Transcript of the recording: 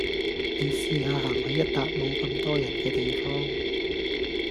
你試吓行去一笪冇咁多人嘅地方